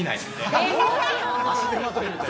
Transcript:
足手まといみたい。